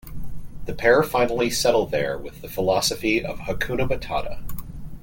The pair finally settle there with the philosophy of "Hakuna Matata".